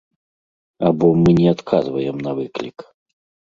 Або мы не адказваем на выклік?